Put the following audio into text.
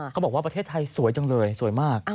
เขาบอกว่าประเทศไทยสวยจังเลยสวยมาก